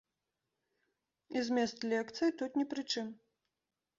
І змест лекцыі тут не пры чым.